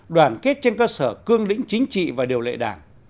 đoàn kết trên cơ sở cương lĩnh chính trị và điều lệ đảng